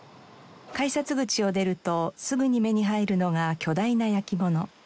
改札口を出るとすぐに目に入るのが巨大な焼き物。